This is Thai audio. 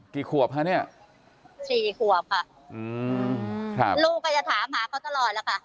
กี่ขวบคะเนี่ย๔ขวบค่ะลูกก็จะถามหาเขาตลอดล่ะค่ะ